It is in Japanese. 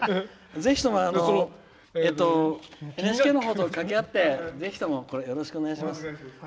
ぜひともＮＨＫのほうと掛け合ってぜひとも、これよろしくお願いします。